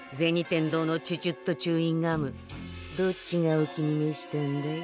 天堂のチュチュットチューインガムどっちがお気にめしたんだい？